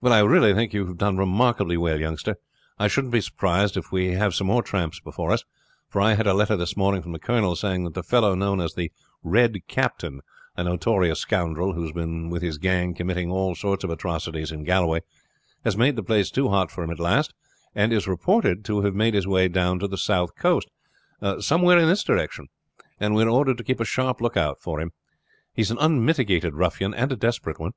"Well, I really think you have done remarkably well, youngster. I shouldn't be surprised if we have some more tramps before us, for I had a letter this morning from the colonel saying that the fellow known as the Red Captain, a notorious scoundrel who has been with his gang committing all sorts of atrocities in Galway, has made the place too hot for him at last, and is reported to have made his way down to the south coast, somewhere in this direction; and we are ordered to keep a sharp lookout for him. He is an unmitigated ruffian, and a desperate one.